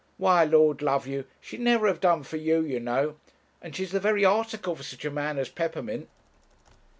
Why, Lord love you, she'd never have done for you, you know; and she's the very article for such a man as Peppermint.'